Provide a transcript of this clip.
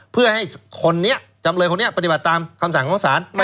เพื่อให้คนนี้จำเลยคนนี้ปฏิบัติตามคำสั่งของศาล